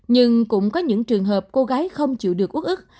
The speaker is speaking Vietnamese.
nhưng cũng có những trường hợp cô gái không chịu được út ức